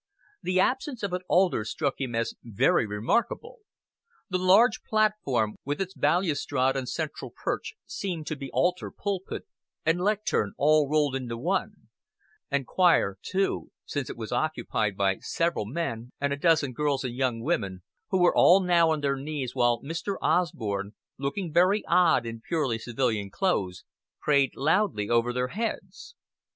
The absence of an altar struck him as very remarkable. The large platform, with its balustrade and central perch, seemed to be altar, pulpit, and lectern all rolled into one and choir too, since it was occupied by several men and a dozen girls and young women, who were all now on their knees while Mr. Osborn, looking very odd in purely civilian clothes, prayed loudly over their heads.